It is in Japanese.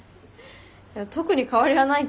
特に変わりはないけど。